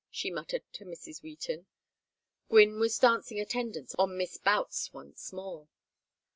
she muttered to Mrs. Wheaton Gwynne was dancing attendance on Miss Boutts once more.